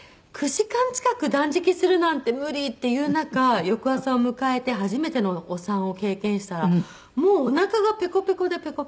９時間近く断食するなんて無理っていう中翌朝を迎えて初めてのお産を経験したらもうおなかがペコペコでペコペコで。